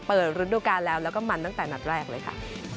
เปิดฤดูการแล้วแล้วก็มันตั้งแต่นัดแรกเลยค่ะ